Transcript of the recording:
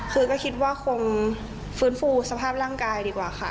คือก็คิดว่าคงฟื้นฟูสภาพร่างกายดีกว่าค่ะ